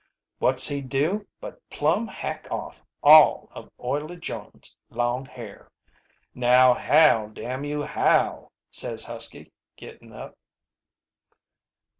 What's he do but plumb hack off all of Oily Jones' long hair. 'Now howl, damn you, howl,' says Husky, gettin' up."